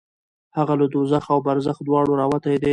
هغه له دوزخ او برزخ دواړو راوتی دی.